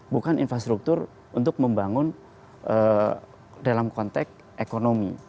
bukan infrastruktur untuk membangun dalam konteks ekonomi